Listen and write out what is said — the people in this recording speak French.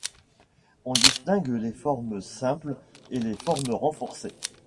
On distingue les formes simples et les formes renforcées.